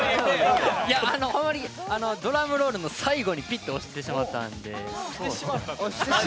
ドラムロールの最後にピッと押してしまったので。